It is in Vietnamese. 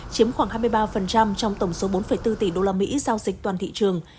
chiếm khoảng hai mươi ba trong tổng số bốn bốn tỷ usd giao dịch toàn thị trường